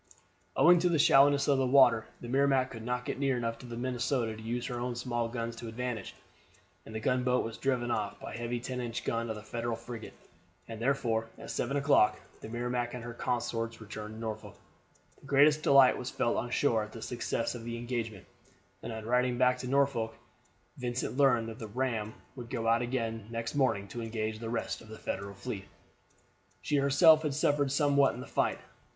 Owing to the shallowness of the water the Merrimac could not get near enough to the Minnesota to use her own small guns to advantage, and the gunboat was driven off by the heavy ten inch gun of the Federal frigate, and therefore at seven o'clock the Merrimac and her consorts returned to Norfolk. The greatest delight was felt on shore at the success of the engagement, and on riding back to Norfolk Vincent learned that the ram would go out again next morning to engage the rest of the Federal fleet. She herself had suffered somewhat in the fight.